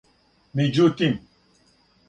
међутим